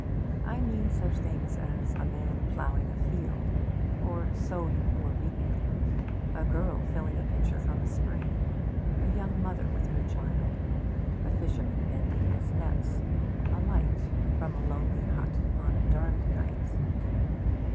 I mean such things as a man ploughing a field, or sowing or reaping; a girl filling a pitcher from a spring; a young mother with her child; a fisherman mending his nets; a light from a lonely hut on a dark night.